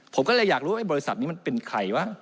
ผมก็เลยอยากรู้ว่าบริษัทนี้มันเป็นใครวะ